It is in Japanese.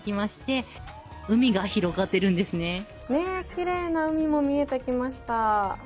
きれいな海も見えてきました。